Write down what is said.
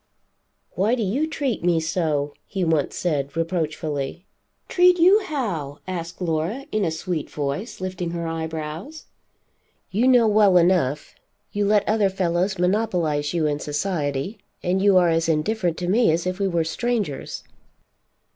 "Why do you treat me so?" he once said, reproachfully. "Treat you how?" asked Laura in a sweet voice, lifting her eyebrows. "You know well enough. You let other fellows monopolize you in society, and you are as indifferent to me as if we were strangers."